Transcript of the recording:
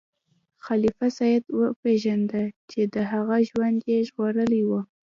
خلیفه سید وپیژنده چې د هغه ژوند یې ژغورلی و.